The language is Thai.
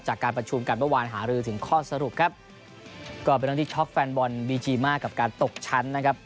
จากการประชุมกันเมื่อวานหารือถึงข้อสรุปครับก็เป็นเรื่องที่ช็อกแฟนบอลบีจีมากกับการตกชั้นนะครับ